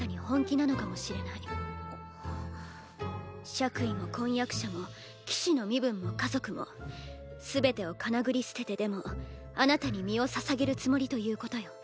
爵位も婚約者も騎士の身分も家族も全てをかなぐり捨ててでもあなたに身をささげるつもりということよ。